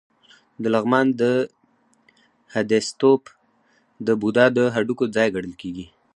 د لغمان د هده ستوپ د بودا د هډوکو ځای ګڼل کېږي